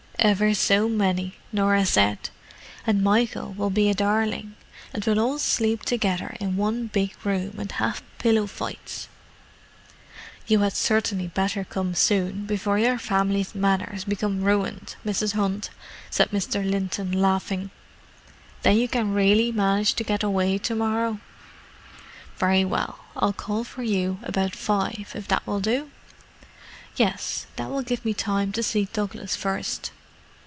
"Ever so many," Norah said. "And Michael will be a darling: and we'll all sleep together in one big room, and have pillow fights!" "You had certainly better come soon, before your family's manners become ruined, Mrs. Hunt," said Mr. Linton, laughing. "Then you can really manage to get away to morrow? Very well—I'll call for you about five, if that will do." "Yes; that will give me time to see Douglas first."